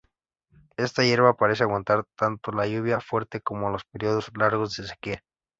Esta hierba parece aguantar tanto la lluvia fuerte como los períodos largos de sequía.